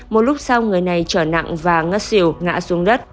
một lúc sau người này trở nặng và ngất xỉu ngã xuống đất